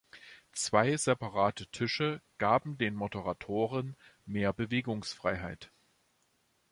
Zwei separate Tische gaben den Moderatoren mehr Bewegungsfreiheit.